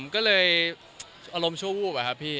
ก็เลยอารมณ์ชั่ววูบอะครับพี่